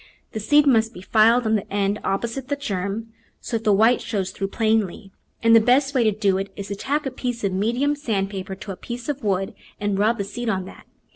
The seed must be filed on the end opposite the germ, so that the white shows through plainly, and the best way to do it is to tack a piece of medium sand paper to a piece of wood and rub the seed on that.